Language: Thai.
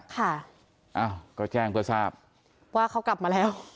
ค่ะอ้าวก็แจ้งเพื่อทราบว่าเขากลับมาแล้ว